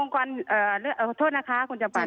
ขอโทษนะคะคุณจำฝัน